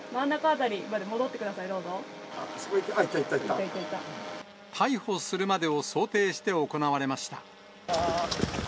あっ、いった、いった、逮捕するまでを想定して行われました。